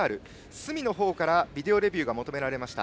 角の方からビデオレビューが求められました。